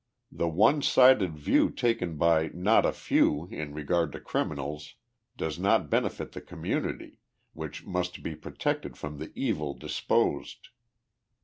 The one sided view taken by not a few in regard to criminals does not benefit the community, which must be protected from the evil disposed.